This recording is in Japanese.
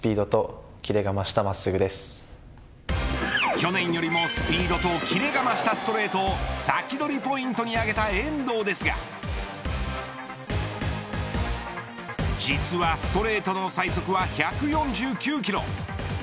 去年よりもスピードとキレが増したストレートをサキドリポイントに挙げた遠藤ですが実はストレートの最速は１４９キロ。